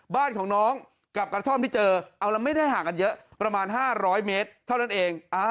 บ้านของน้องกับกระท่อมที่เจอเอาแล้วไม่ได้ห่างกันเยอะประมาณ๕๐๐เมตรเท่านั้นเอง